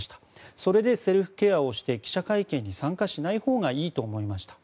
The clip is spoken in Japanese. それでセルフケアをして記者会見に参加しないほうがいいと思いました。